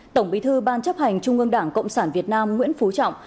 tổng bí thư ban chấp hành trung ương đảng cộng sản việt nam nguyễn phú trọng